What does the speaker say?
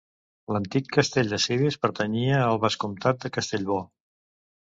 L'antic castell de Civís pertanyia al vescomtat de Castellbò.